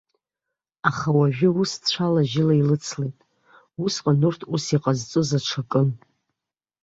Аха уажәы ус цәалажьыла илыцлеит, усҟан урҭ ус иҟазҵоз аҽакын.